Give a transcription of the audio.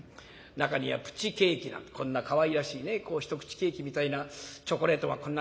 中にはプチケーキなんてこんなかわいらしいね一口ケーキみたいなチョコレートはこんな。